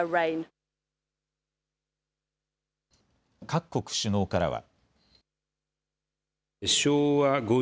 各国首脳からは。